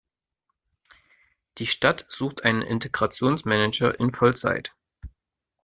Die Stadt sucht einen Integrationsmanager in Vollzeit.